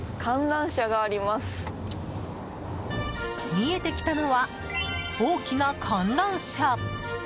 見えてきたのは大きな観覧車。